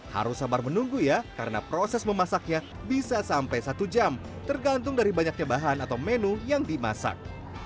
harus sabar menunggu ya karena proses memasaknya bisa sampai satu jam tergantung dari banyaknya bahan atau menu yang dimasak